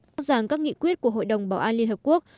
nói rằng các nghị quyết của hội đồng bảo an liên hợp quốc